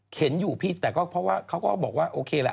เห็นอยู่พี่แต่ก็เพราะว่าเขาก็บอกว่าโอเคแหละ